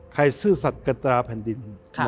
ซื่อสัตว์กัตราแผ่นดิน